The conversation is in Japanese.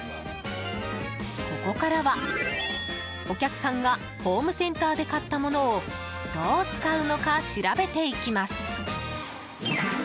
ここからはお客さんがホームセンターで買ったものをどう使うのか調べていきます。